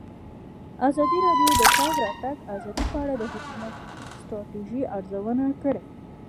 ازادي راډیو د د تګ راتګ ازادي په اړه د حکومتي ستراتیژۍ ارزونه کړې.